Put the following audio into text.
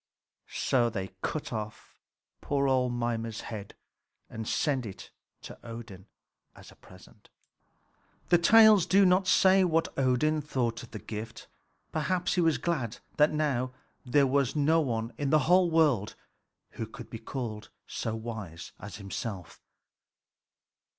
So they cut off poor old Mimer's head and sent it to Odin as a present. The tales do not say what Odin thought of the gift. Perhaps he was glad that now there was no one in the whole world who could be called so wise as himself.